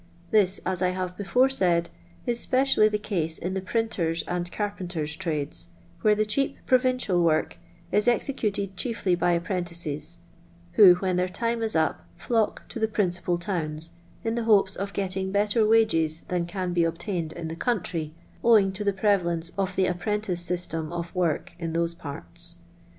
This, as I have before said, is specially the caae in the printer's and carpenter's trades, where the cheap provincial work is executed chiefly by apprentices, who, when their time is up, flock to the principal towns, in the hopes of getting better wages than can be obtained in the country, owing to the prevalence of the apprentice system of work in those parts.